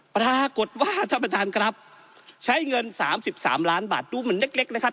ปรากฏว่าท่านประธานครับใช้เงิน๓๓ล้านบาทดูเหมือนเล็กนะครับ